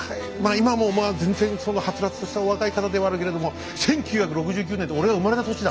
今もまあ全然そのはつらつとしたお若い方ではあるけれども１９６９年って俺が生まれた年だ。